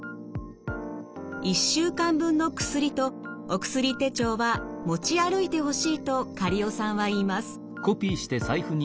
１週間分の薬とお薬手帳は持ち歩いてほしいと苅尾さんは言います。